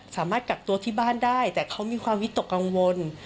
สามารถกักตัวที่บ้านได้แต่เขามีความวิตกกังวล